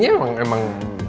iya tadinya emang